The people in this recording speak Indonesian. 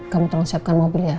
kamu telah siapkan mobil ya